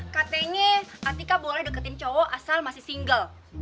katanya atika boleh deketin cowok asal masih single